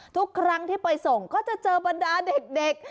ทุกครั้งที่ไปส่งก็จะเจอบรรดาเด็ก